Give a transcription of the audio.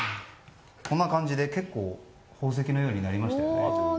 こんな感じで結構宝石のようになりました。